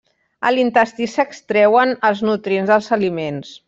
A l'intestí s'extreuen els nutrients dels aliments.